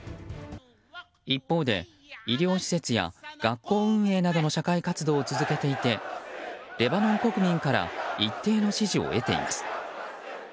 一方で、医療施設や学校運営などの社会活動を続けていて、レバノン国民から一定の支持を得ています。